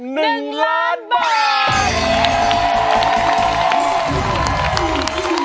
หนึ่งล้านบาท